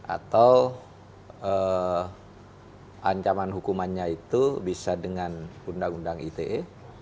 atau ancaman hukumannya itu bisa dengan undang undang ite